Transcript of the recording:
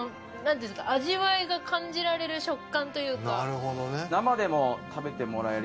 味わいが感じられる食感というか。